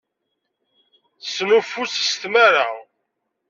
Tesnuffus s tmara.